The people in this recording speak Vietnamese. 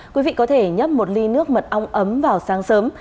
quý vị có thể nhấp một ly nước mật ong ấm vào sáng sớm